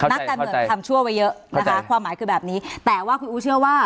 นักการเมืองทำชั่วไว้เยอะนะคะความหมายคือแบบนี้แต่ว่าคุณอู๋เชื่อว่า